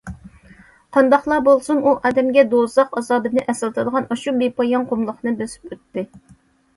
قانداقلا بولسۇن، ئۇ ئادەمگە دوزاخ ئازابىنى ئەسلىتىدىغان ئاشۇ بىپايان قۇملۇقنى بېسىپ ئۆتتى.